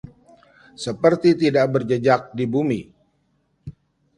Seperti tidak berjejak di bumi